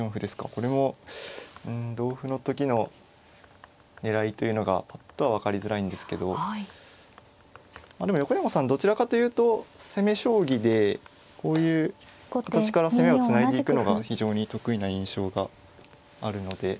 これも同歩の時の狙いというのがぱっとは分かりづらいんですけどまあでも横山さんどちらかというと攻め将棋でこういう形から攻めをつないでいくのが非常に得意な印象があるので。